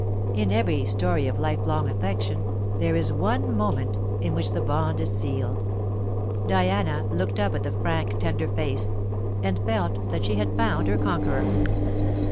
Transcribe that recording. In every story of life long affection, there is one moment in which the bond is sealed. Diana looked up at the frank tender face, and felt that she had found her conqueror.